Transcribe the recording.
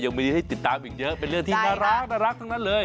ยังมีให้ติดตามอีกเยอะเป็นเรื่องที่น่ารักทั้งนั้นเลย